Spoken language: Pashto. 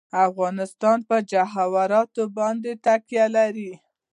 افغانستان په جواهرات باندې تکیه لري.